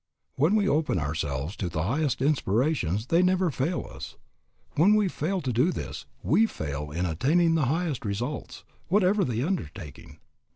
When we open ourselves to the highest inspirations they never fail us. When we fail to do this we fail in attaining the highest results, whatever the undertaking.